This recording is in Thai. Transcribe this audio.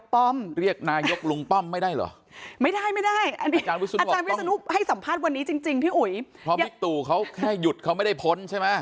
เพราะบิ๊กตู่เขาแค่หยุดเขาไม่ได้พ้นใช่ไหม